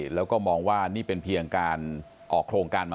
แล้วก็มองว่านี่เป็นเพียงการออกโครงการมา